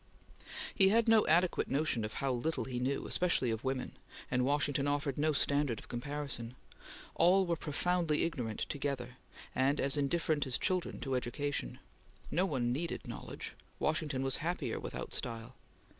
He had no adequate notion how little he knew, especially of women, and Washington offered no standard of comparison. All were profoundly ignorant together, and as indifferent as children to education. No one needed knowledge. Washington was happier without style.